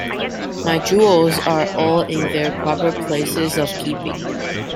My jewels are all in their proper places of keeping.